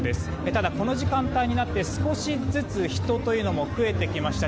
ただ、この時間帯になって少しずつ人というのも増えてきました。